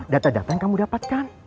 data data yang kamu dapatkan